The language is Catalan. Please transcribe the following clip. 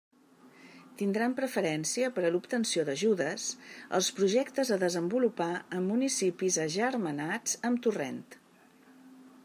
Tindran preferència per a l'obtenció d'ajudes, els projectes a desenvolupar en municipis agermanats amb Torrent.